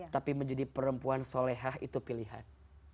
tapi menjadi perempuan solehah itu pilihan